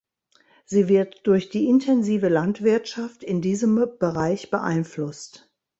Sie wird durch die intensive Landwirtschaft in diesem Bereich beeinflusst.